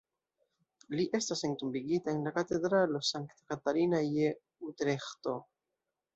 Li estas entombigita en la katedralo Sankta Katarina je Utreĥto.